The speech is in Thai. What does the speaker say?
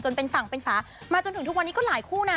เป็นฝั่งเป็นฝามาจนถึงทุกวันนี้ก็หลายคู่นะ